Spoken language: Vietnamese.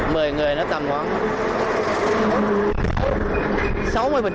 mười người nó tầm khoảng sáu mươi thôi